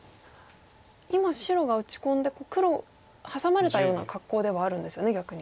今白が打ち込んで黒ハサまれたような格好ではあるんですよね逆に。